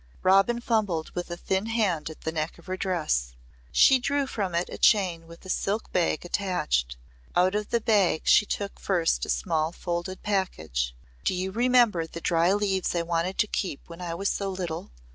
Robin fumbled with a thin hand at the neck of her dress. She drew from it a chain with a silk bag attached. Out of the bag she took first a small folded package. "Do you remember the dry leaves I wanted to keep when I was so little?"